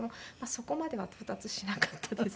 そこまでは到達しなかったです。